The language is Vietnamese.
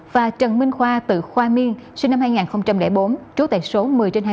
và trần minh khoa tự khoa miên sinh năm hai nghìn bốn trú tại số một mươi trên trường